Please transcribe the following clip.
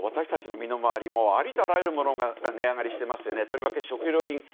私たちの身の回りありとあらゆるものが値上がりしてますよね。